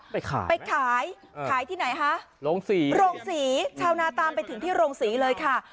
ไปขายไปขายขายที่ไหนคะโรงศรีโรงศรีชาวนาตามไปถึงที่โรงศรีเลยค่ะ